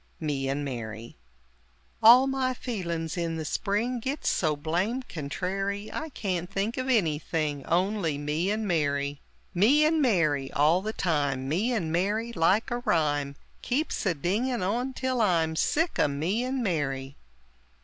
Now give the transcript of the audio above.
Me and Mary All my feelin's, in the spring Gits so blame contrary I can't think of anything Only me and Mary! "Me and Mary!" all the time, "Me and Mary!" like a rhyme Keeps a dinging on till I'm Sick o' "Me and Mary!"